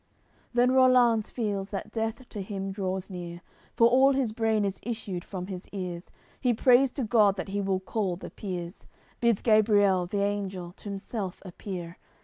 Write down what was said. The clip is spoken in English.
CLXVIII Then Rollanz feels that death to him draws near, For all his brain is issued from his ears; He prays to God that He will call the peers, Bids Gabriel, the angel, t' himself appear.